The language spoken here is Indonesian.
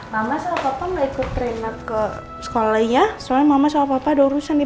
saya tidak akan biarkan nino ketemu sama rena sebelum nino mengambilkan maaf sendiri ke sini